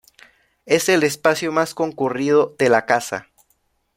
Es el espacio más concurrido de la casa.